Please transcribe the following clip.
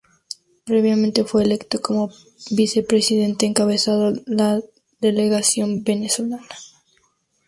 Previamente, fue electo como vicepresidente, encabezando la delegación venezolana.